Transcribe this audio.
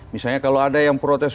misalnya kalau ada yang protes